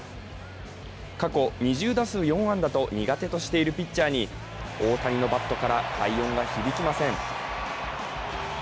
過去２０打数４安打と苦手としているピッチャーに大谷のバットから快音が響きません。